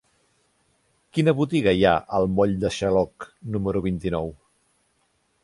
Quina botiga hi ha al moll de Xaloc número vint-i-nou?